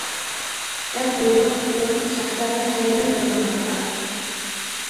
-دەپ بۇيرۇق قىپتۇ شاھزادە ھەيران بولغان ھالدا.